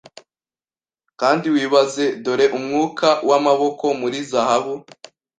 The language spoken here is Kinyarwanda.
Kandi wibaze dore Umwuka wamaboko muri zahabu